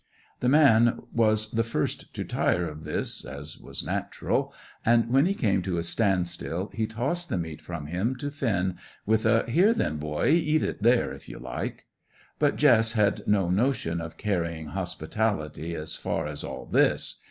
The man was the first to tire of this, as was natural, and, when he came to a standstill, he tossed the meat from him to Finn, with a "Here then, boy; eat it there, if you like." But Jess had no notion of carrying hospitality as far as all this.